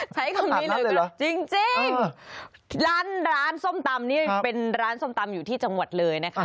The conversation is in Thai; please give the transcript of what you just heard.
ใช้คำนี้เลยจริงร้านร้านส้มตำนี่เป็นร้านส้มตำอยู่ที่จังหวัดเลยนะคะ